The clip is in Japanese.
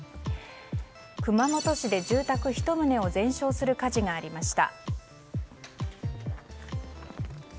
熊本市で住宅１棟を全焼する火事がありました。